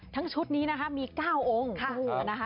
ทั้งชุดนี้มี๙องค์